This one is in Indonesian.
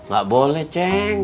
gak boleh ceng